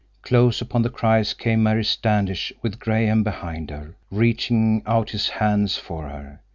Close upon the cries came Mary Standish, with Graham behind her, reaching out his hands for her.